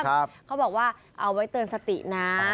เขาบอกว่าเอาไว้เตือนสตินะ